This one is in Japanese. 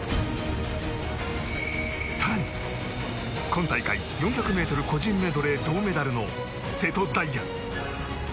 更に、今大会４００ｍ個人メドレー銅メダルの瀬戸大也。